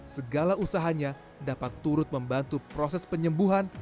segala usahanya dapat turut membantu proses penyembuhan